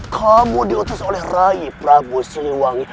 kamu diotos oleh raih prabu siliwangi